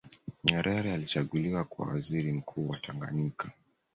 Nyerere alichaguliwa kuwa waziri mkuu wa Tanganyika